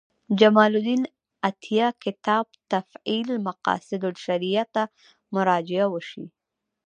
جمال الدین عطیه کتاب تفعیل مقاصد الشریعة ته مراجعه وشي.